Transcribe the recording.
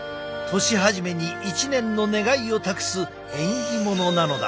年初めに一年の願いを託す縁起物なのだ。